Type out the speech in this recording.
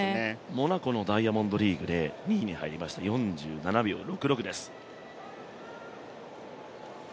モナコのダイヤモンドリーグで２位に入りました、４７秒６６です。